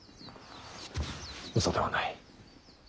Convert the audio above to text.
嘘ではない。